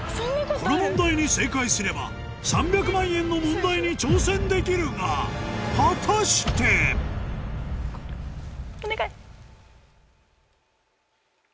この問題に正解すれば３００万円の問題に挑戦できるが果たして⁉お願い。